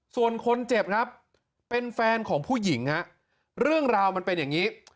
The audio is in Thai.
ส่วนคนเจ็บครับเป็นแฟนของผู้หญิงฮะเรื่องราวมันเป็นอย่างนี้